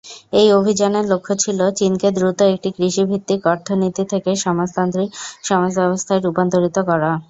এই অভিযানের লক্ষ্য ছিল চীনকে দ্রুত একটি কৃষিভিত্তিক অর্থনীতি থেকে সমাজতান্ত্রিক সমাজব্যবস্থায় রূপান্তরিত করা।